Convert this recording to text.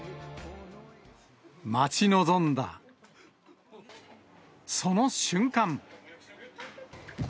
待ち望んだその瞬間。